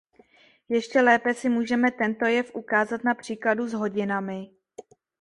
Ještě lépe si můžeme tento jev ukázat na příkladu s hodinami.